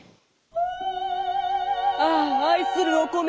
ああ愛するお米。